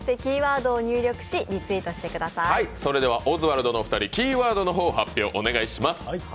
オズワルドのお二人、キーワードの発表をお願いします。